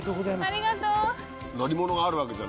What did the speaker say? ありがとう。